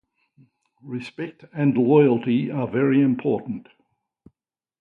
Respect and loyalty are very important.